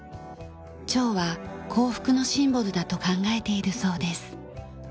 チョウは幸福のシンボルだと考えているそうです。